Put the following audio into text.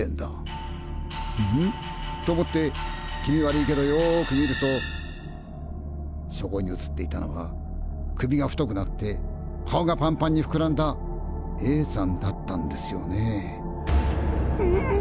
「んんっ！？」と思って気味悪いけどよく見るとそこに映っていたのは首が太くなって顔がパンパンにふくらんだＡさんだったんですよね。